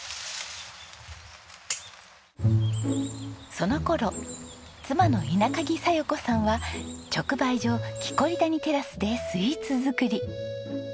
その頃妻の稲鍵佐代子さんは直売所キコリ谷テラスでスイーツ作り。